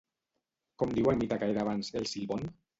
Com diu el mite que era abans El Silbón?